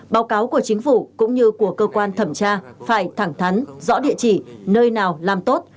báo cáo của chính phủ cũng như của cơ quan thẩm tra phải thẳng thắn rõ địa chỉ nơi nào làm tốt